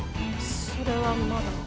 それはまだ。